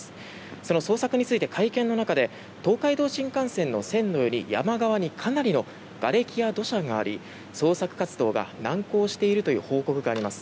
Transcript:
その捜索について会見の中で東海道新幹線の線路より山側にかなりのがれきや土砂があり捜索活動が難航しているという報告があります。